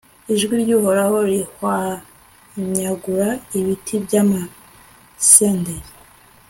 ijwi ry'uhoraho rihwanyagura ibiti by'amasederi